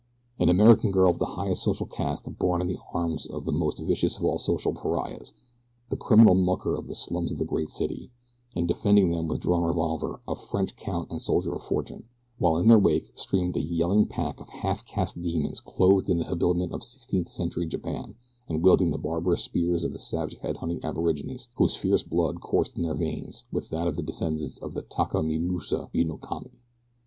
An American girl of the highest social caste borne in the arms of that most vicious of all social pariahs the criminal mucker of the slums of a great city and defending them with drawn revolver, a French count and soldier of fortune, while in their wake streamed a yelling pack of half caste demons clothed in the habiliments of sixteenth century Japan, and wielding the barbarous spears of the savage head hunting aborigines whose fierce blood coursed in their veins with that of the descendants of Taka mi musu bi no kami.